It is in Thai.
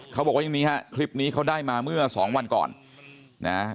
เขาบอกว่าอย่างนี้ฮะคลิปนี้เขาได้มาเมื่อสองวันก่อนนะ